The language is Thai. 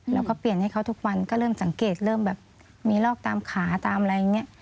เราก็เปลี่ยนให้เขาทุกวันก็เริ่มสังเกตเริ่มแบบมีลอกตามขาตามอะไรอย่างนี้